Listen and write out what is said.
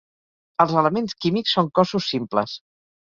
Els elements químics són cossos simples.